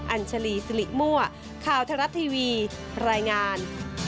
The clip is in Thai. อัญชลีสิริมัวค่าวทรัพย์ทีวีรายงาน